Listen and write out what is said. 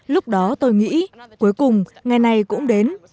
lúc đó tôi nghĩ cuối cùng ngày này cũng đến